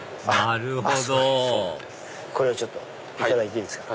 なるほどこれをいただいていいですか。